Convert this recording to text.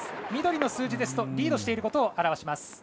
緑の数字ですとリードしていることを表します。